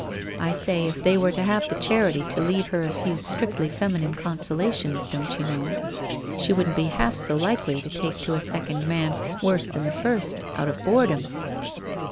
I say if they were to have the charity to leave her a few strictly femi nine consolations, don't you know, she wouldn't be half so likely to take to a second man worse than the first, out of boredom.